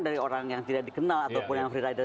dari orang yang tidak dikenal ataupun yang free rider